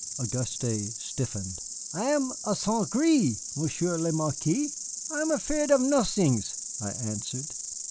'" (Auguste stiffened.) "'I am a St. Gré, Monsieur le Marquis. I am afred of nothings,' I answered.